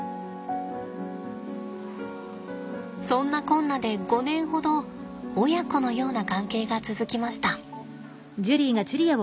そんなこんなで５年ほど親子のような関係が続きました。